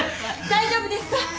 大丈夫ですか？